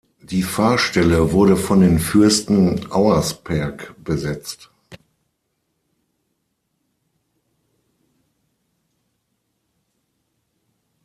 Die Pfarrstelle wurde von den Fürsten Auersperg besetzt.